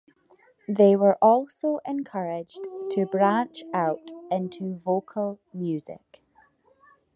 They were also encouraged to branch out into vocal music.